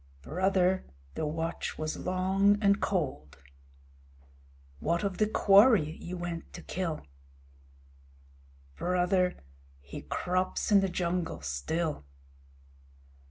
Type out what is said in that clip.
Brother, the watch was long and cold. What of the quarry ye went to kill? Brother, he crops in the jungle still.